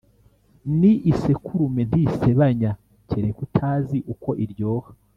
Ni isekurume ntisebanya kereka utazi uko iryoha